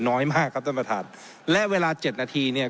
น้อยมากครับท่านประธานและเวลาเจ็ดนาทีเนี่ย